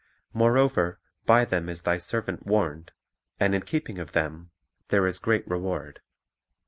Moreover by them is Thy servant warned; and in keeping of them there is great reward."